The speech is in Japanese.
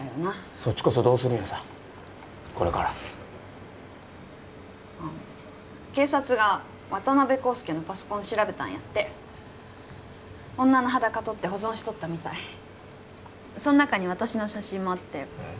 そっちこそどうするんやさこれからあっ警察が渡辺康介のパソコン調べたんやって女の裸撮って保存しとったみたいそん中に私の写真もあってえっ？